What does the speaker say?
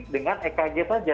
dengan ekg saja